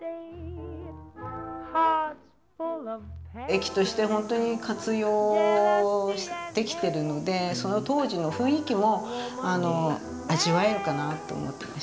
駅として本当に活用できてるのでその当時の雰囲気も味わえるかなと思ってます。